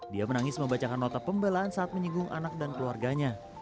dia menangis membacakan nota pembelaan saat menyinggung anak dan keluarganya